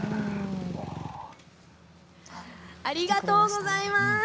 ありがとうございます。